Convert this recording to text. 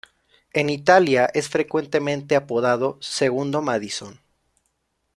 En Italia, es frecuentemente apodado "Il Madison".